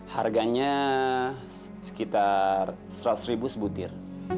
harganya sekitar seratus ribu sebutir